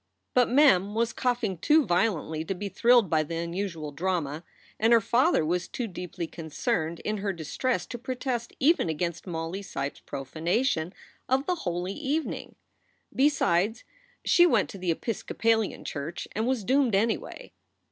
But Mem was coughing too violently to be thrilled by the unusual drama, and her father was too deeply concerned in her distress to protest even against Molly Seipp s profanation 12 SOULS FOR SALE of the holy evening. Besides, she went to the Episcopalian church and was doomed, anyway.